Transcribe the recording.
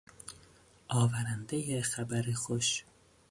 آورندهی خبر خوش